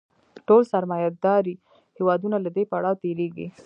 ټول سرمایه داري هېوادونه له دې پړاو تېرېږي